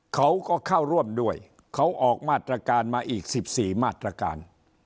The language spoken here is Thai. เขาก็เข้าร่วมด้วยเขาออกมาตรการมาอีก๑๔มาตรการ